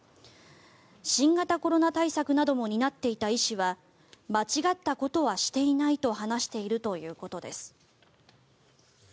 新型コロナ対策なども担っていた医師は間違ったことはしていないと話しているということです。